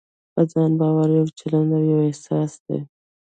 په ځان باور يو چلند او يو احساس دی.